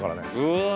うわ。